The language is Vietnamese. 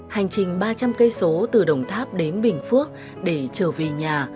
hành trình ba trăm linh km từ đồng tháp đến bình phước để trở về nhà